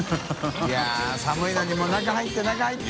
い笋寒いのにもう中入って中入って。